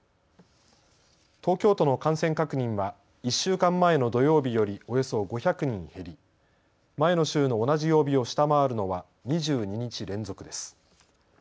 東京都の感染確認は１週間前の土曜日よりおよそ５００人減り前の週の同じ曜日を下回るのは２２日連続です。